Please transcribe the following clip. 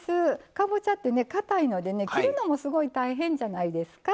かぼちゃってかたいので切るのもすごい大変じゃないですか。